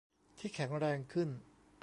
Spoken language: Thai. ที่แข็งแรงขึ้น